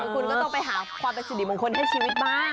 คุณก็ต้องไปหาความเป็นสิริมงคลให้ชีวิตบ้าง